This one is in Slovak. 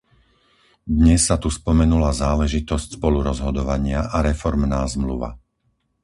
Dnes sa tu spomenula záležitosť spolurozhodovania a reformná zmluva.